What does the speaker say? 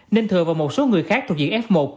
nên thừa và một số người khác thuộc diện f một